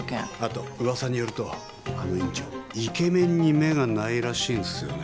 後うわさによるとあの院長イケメンに目がないらしいんすよね。